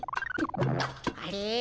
あれ？